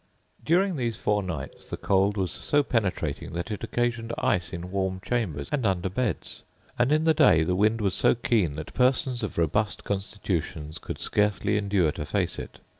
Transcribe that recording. During these four nights the cold was so penetrating that it occasioned ice in warm chambers and under beds; and in the day the wind was so keen that persons of robust constitutions could scarcely endure to face it.